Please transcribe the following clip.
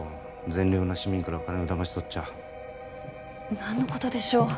善良な市民から金をだまし取っちゃ何のことでしょう？